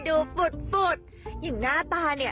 เด็กพิษภาระจริงนะคะเนี่ย